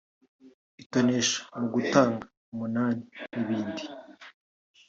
itonesha mu gutanga umunani n’ibindi